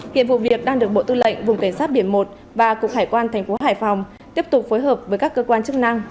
hiện vụ việc đang được bộ tư lệnh vùng cảnh sát biển một và cục hải quan thành phố hải phòng tiếp tục phối hợp với các cơ quan chức năng